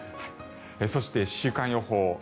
そして、週間予報。